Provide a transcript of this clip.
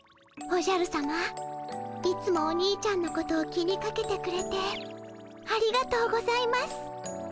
おじゃるさまいつもおにいちゃんのことを気にかけてくれてありがとうございます。